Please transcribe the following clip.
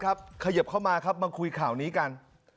ขยิบเข้ามาครับมาคุยข่าวนี้กัน